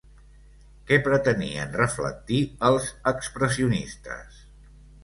Què pretenien reflectir els expressionistes?